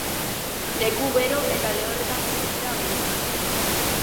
Leku bero eta lehorretan bizi dira gehienak.